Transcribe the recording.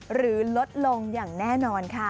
ลดลงอย่างแน่นอนค่ะ